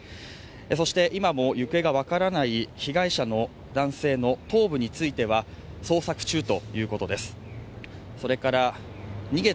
そして今も行方が分からない被害者の男性の頭部については、捜索中ということです。